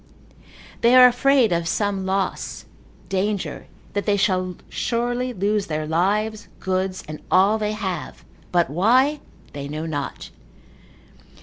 They are afraid of some loss, danger, that they shall surely lose their lives, goods, and all they have, but why they know not.